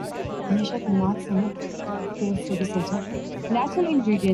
New Zealand سے one day series کے squad سے بھی عامر ڈراپ